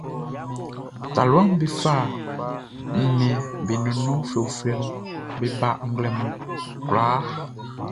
Taluaʼm be fa nnɛnʼm be nɔnnɔn uflɛuflɛʼn be ba nglɛmun kwlaa.